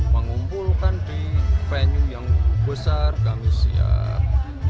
mengumpulkan di venue yang besar kami siap